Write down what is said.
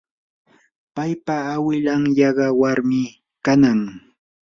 paypa awilan yaqa warmi kanaq.